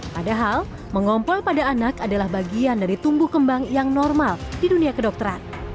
padahal mengompol pada anak adalah bagian dari tumbuh kembang yang normal di dunia kedokteran